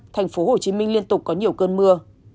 tp hcm liên tục có nhiều cơn mưa